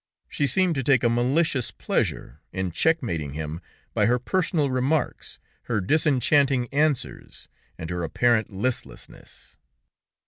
She seemed to take a malicious pleasure in checkmating him by her personal remarks, her disenchanting answers, and her apparent listlessness.